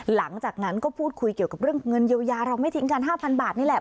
หลังจากนั้นก็พูดคุยเกี่ยวกับเรื่องเงินเยียวยาเราไม่ทิ้งกัน๕๐๐บาทนี่แหละ